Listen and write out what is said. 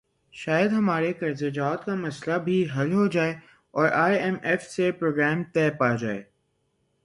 شاید ہمارے قرضہ جات کا مسئلہ بھی حل ہو جائے اور آئی ایم ایف سے پروگرام طے پا جائے۔